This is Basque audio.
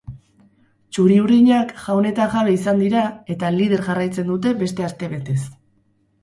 Txuri-urdinak jaun eta jabe izan dira eta lider jarraitzen dute beste astebetez.